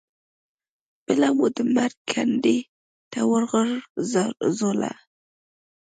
بله مو د مرګ کندې ته وغورځوله.